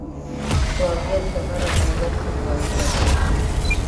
سوالګر ته نرم نظر هم غنیمت دی